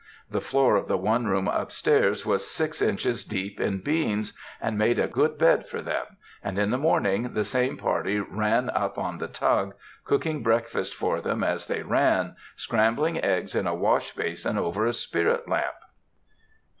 The floor of the one room up stairs was six inches deep in beans, and made a good bed for them, and in the morning the same party ran up on the tug, cooking breakfast for them as they ran, scrambling eggs in a wash basin over a spirit lamp.